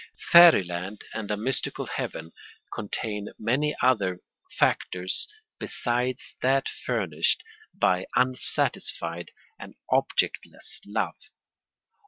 ] Fairy land and a mystical heaven contain many other factors besides that furnished by unsatisfied and objectless love.